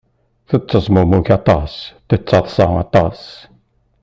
Tettezmumug aṭas, tettaḍsa aṭas.